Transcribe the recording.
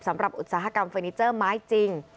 อุตสาหกรรมเฟอร์นิเจอร์ไม้จริง